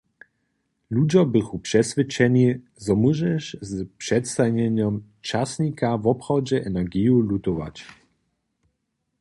Ludźo běchu přeswědčeni, zo móžeš z přestajenjom časnika woprawdźe energiju lutować.